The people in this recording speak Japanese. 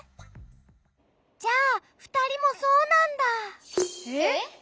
じゃあふたりもそうなんだ。えっ！？